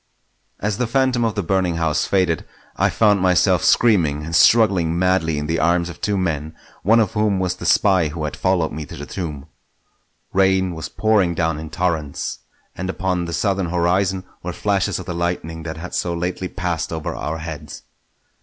As the phantom of the burning house faded, I found myself screaming and struggling madly in the arms of two men, one of whom was the spy who had followed me to the tomb. Rain was pouring down in torrents, and upon the southern horizon were flashes of the lightning that had so lately passed over our heads.